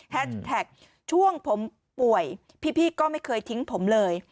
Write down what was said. แท็กช่วงผมป่วยพี่ก็ไม่เคยทิ้งผมเลย